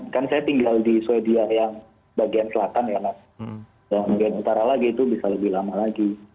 kan saya tinggal di sweden yang bagian selatan ya mas dan bagian utara lagi itu bisa lebih lama lagi